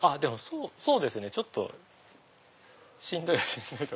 そうですねちょっとしんどいはしんどい。